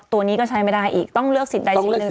ตัวนี้ก็ใช้ไม่ได้อีกต้องเลือกสิทธิใดชิ้นหนึ่ง